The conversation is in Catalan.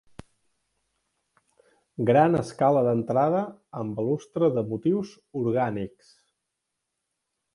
Gran escala d'entrada amb balustre de motius orgànics.